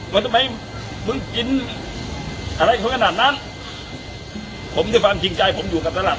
ว่าทำไมมึงกินอะไรของขนาดนั้นผมได้ฟังจริงใจผมอยู่กับตลาด